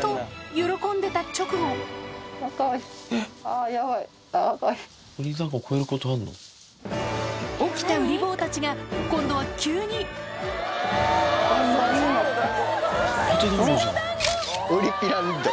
と喜んでた直後起きたウリ坊たちが今度は急に縦団子じゃん。